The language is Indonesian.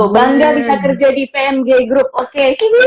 bangga bisa kerja di pmg group oke